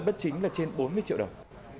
bất chính là trên bốn mươi triệu đồng